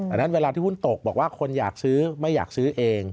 นั้นเวลาที่หุ้นตกบอกว่าคนอยากซื้อไม่อยากซื้อเอง